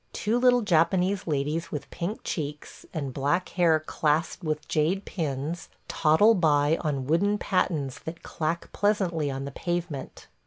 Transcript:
Two little Japanese ladies with pink cheeks, and black hair clasped with jade pins, toddle by on wooden pattens that clack pleasantly on the pavement.